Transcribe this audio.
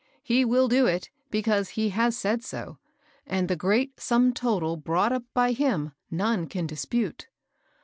He will do it, because He has said so ; and the great sum total brought u{) by Him none can dispute.